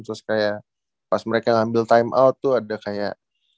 terus kayak pas mereka ngambil time out tuh ada kayak